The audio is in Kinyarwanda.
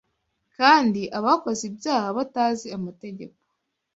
kandi abakoze ibyaha batazi amategeko